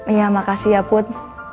iya makasih ya put